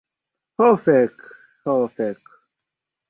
Ho fek... ho fek'...